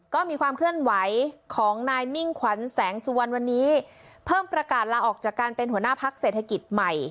ก็มีความเคลื่อนไหวของนายมิ่งขวัญแสงสุวรรณวันนี้เพิ่มประกาศลาออกจากการเป็นหัวหน้าพักเศรษฐกิจใหม่